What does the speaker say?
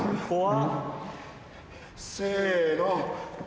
せの。